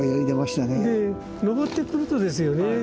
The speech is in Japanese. で登ってくるとですよね。